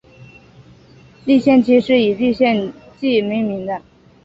蓟县期是以蓟县纪命名的。